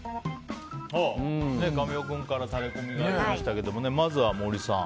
神尾君からタレコミがありましたけれどもまずは森さん。